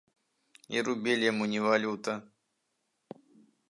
І рубель яму не валюта.